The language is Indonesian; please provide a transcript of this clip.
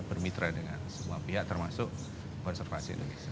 bermitra dengan semua pihak termasuk konservasi indonesia